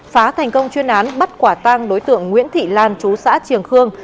phá thành công chuyên án bắt quả tăng đối tượng nguyễn thị lan chú xã triều khương